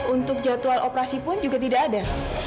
untuk jadwal operasi pun juga tidak ada